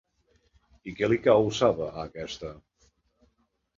I què li causava a aquesta?